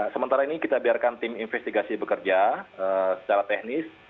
sementara ini kita biarkan tim investigasi bekerja secara teknis